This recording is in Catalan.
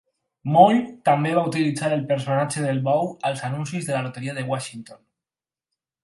Moll també va utilitzar el personatge del bou als anuncis de la Loteria de Washington.